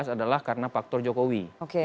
adalah karena faktor jokowi